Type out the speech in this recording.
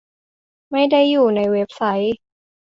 ไม่ได้อยู่ในเว็บไซต์